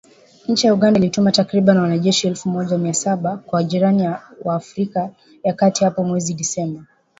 Nchi ya Uganda ilituma takribani wanajeshi elfu moja mia saba kwa jirani yake wa Afrika ya kati hapo mwezi Disemba